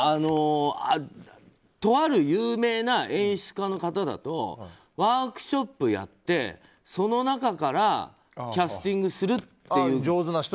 とある有名な演出家の方だとワークショップやってその中からキャスティングするという。